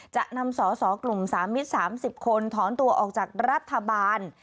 จะนำสสกลุ่ม๓มิตร๓๐คนถอนตัวออกจากรัฐบาล